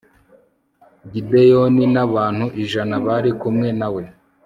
gideyoni n'abantu ijana bari kumwe na we